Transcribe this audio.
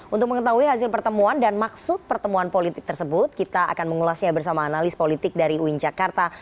untuk mengetahui hasil pertemuan dan maksud pertemuan politik tersebut kita akan mengulasnya bersama analis politik dari uin jakarta